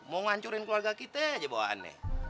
mau ngancurin keluarga kita aja bawa aneh